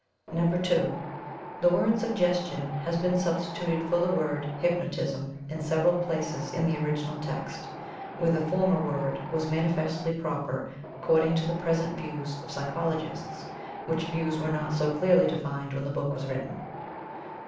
(2) The word "Suggestion" has been substituted for the word "Hypnotism" in several places in the original text, where the former word was manifestly proper according to the present views of psychologists, which views were not so clearly defined when the book was written.